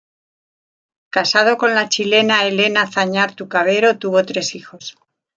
Casado con la chilena Elena Zañartu Cavero, tuvo tres hijos.